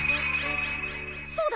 そうだ！